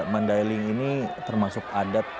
mandailing ini termasuk adat